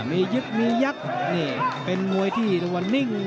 มียึดมียักษ์เป็นมวยที่ละวันนิ่ง